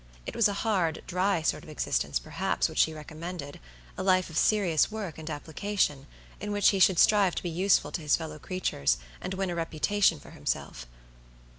It was a hard, dry sort of existence, perhaps, which she recommended; a life of serious work and application, in which he should strive to be useful to his fellow creatures, and win a reputation for himself.